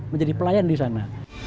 menjadi pelayan di sana